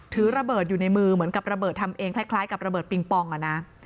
ถือระเบิดอยู่ในมือเหมือนกับระเบิดทำเองคล้ายกับระเบิดปิงปองอ่ะนะ